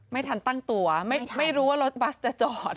ไม่ทันตั้งตัวไม่รู้ว่ารถบัสจะจอด